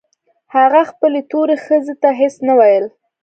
هغه خپلې تورې ښځې ته هېڅ نه ويل.